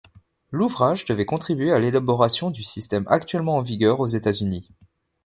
L'ouvrage devait contribuer à l'élaboration du système actuellement en vigueur aux États-Unis.